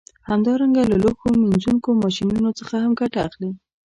همدارنګه له لوښو مینځونکو ماشینونو څخه هم ګټه اخلي